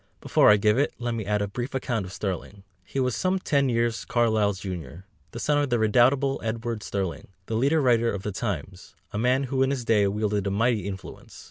Before I give it, let me add a brief account of Sterling. He was some ten years Carlyle's junior, the son of the redoubtable Edward Sterling, the leader writer of the Times, a man who in his day wielded a mighty influence.